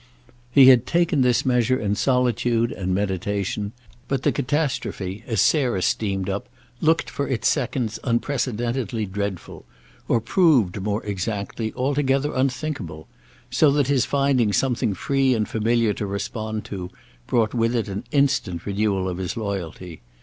He had taken this measure in solitude and meditation: but the catastrophe, as Sarah steamed up, looked for its seconds unprecedentedly dreadful—or proved, more exactly, altogether unthinkable; so that his finding something free and familiar to respond to brought with it an instant renewal of his loyalty.